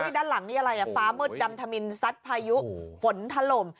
ด้านหลังนี่อะไรฟ้ามืดดำธมินซัดพายุฝนถล่ม